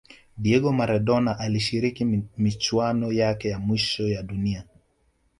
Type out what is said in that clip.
diego maradona alishiriki michuano yake ya mwisho ya dunia